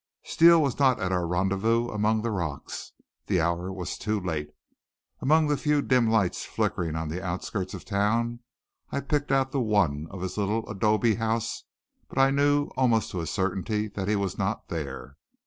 Steele was not at our rendezvous among the rocks. The hour was too late. Among the few dim lights flickering on the outskirts of town I picked out the one of his little adobe house but I knew almost to a certainty that he was not there.